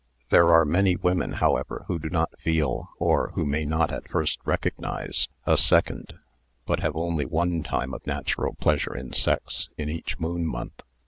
' There are many women, however, who do not feel, or who may not at first recognise, a second, but have only one time of natural pleasure in sex in each moon month.